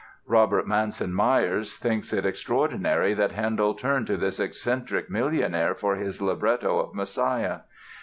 Robert Manson Myers thinks it "extraordinary that Handel turned to this eccentric millionaire for his libretto of 'Messiah'."